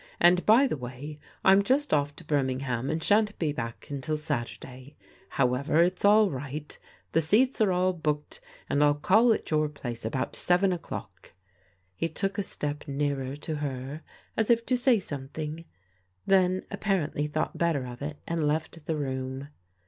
And by the way, I'm just off to Birmingham, and shan't be back until Saturday. However, it's all right, the seats are all booked and 111 call at your place about seven o'clock." He took a step nearer to her as if to say something else, then apparently thought better of it, and left the room.